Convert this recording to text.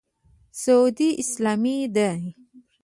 سعودي اسلامه دی.